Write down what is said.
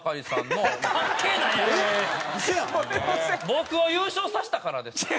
僕を優勝させたからです